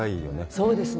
そうですね。